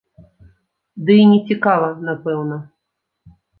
Ды і не цікава, напэўна.